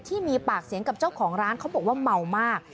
ที่มีปากเสียงกับเจ้าของร้านเขาบอกว่าเมามาก